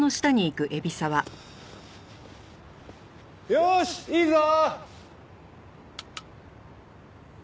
よしいいぞ！